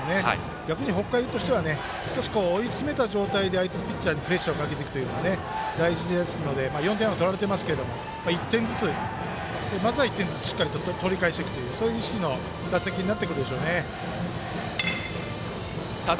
逆に北海としては少し追い詰めた状態で相手のピッチャーにプレッシャーをかけていくのが大事ですので４点は取られていますがまずは１点ずつしっかり取り返していくというそういう意識の打席になってくるでしょうね。